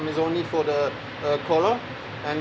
beberapa hanya untuk warna